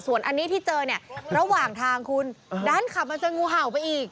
ส่วนอันนี้ที่เจอเนี่ยระหว่างทางคุณดันขับมาเจองูเห่าไปอีก